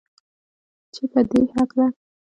چې پدې هکله